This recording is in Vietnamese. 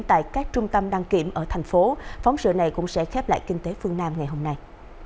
tại các trung tâm đăng kiểm ở thành phố phóng sự này cũng sẽ khép lại kinh tế phương nam ngày hôm nay